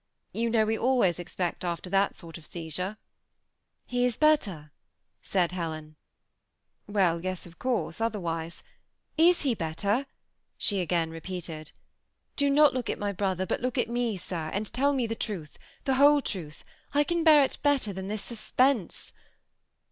You know we always expect afler that sort of seiz ure" " He is better ?" said Helen. " Well, yes, of course, otherwise »" Is he better ?" she again repeated. " Do not look at my brother, but look at me, sir, and tell me the truth, the whole truth. I can bear it better than this sus pense."